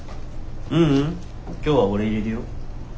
ううん今日は俺いれるよ。